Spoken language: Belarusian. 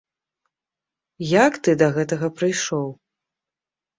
Як ты да гэтага прыйшоў?